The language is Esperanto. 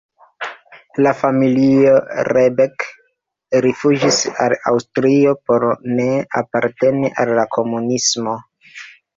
La familio Rebek rifuĝis al Aŭstrio por ne aparteni al la komunismo.